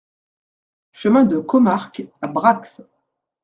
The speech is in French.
Chemin de Commarque à Brax